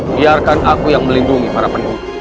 biarkan aku yang melindungi para penduduk